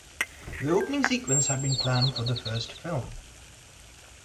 The opening sequence had been planned for the first film.